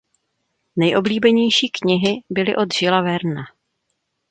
Nejoblíbenější knihy byly od Julese Verna.